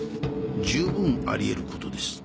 十分ありえることです。